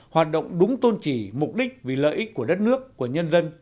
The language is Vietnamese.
hoạt động đúng tôn trì mục đích vì lợi ích của đất nước của nhân dân